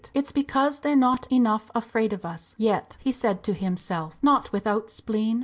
"It's because they're not enough afraid of us yet," he said to himself, not without spleen.